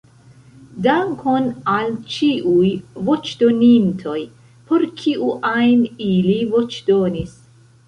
Dankon al ĉiuj voĉdonintoj, por kiu ajn ili voĉdonis.